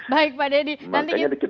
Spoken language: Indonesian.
baik pak deddy nanti